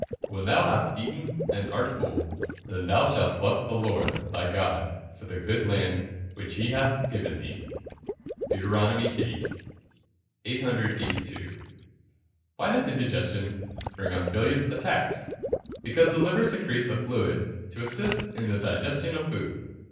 [Verse: "When thou hast eaten and art full, then thou shalt bless the Lord thy God for the good land which he hath given thee." DEUT. VIII.] 882. Why does indigestion bring on bilious attacks? Because the liver secretes a fluid to assist in the digestion of food.